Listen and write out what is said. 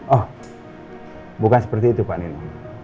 oh bukan seperti itu pak nirm